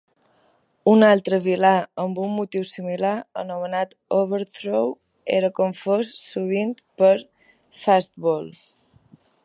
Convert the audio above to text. Un altre vilà amb un motiu similar, anomenat Overthrow, era confós sovint per Fastball.